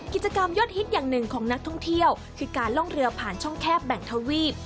กิจกรรมยอดฮิตอย่างหนึ่งของนักท่องเที่ยวคือการล่องเรือผ่านช่องแคบแบ่งทวีป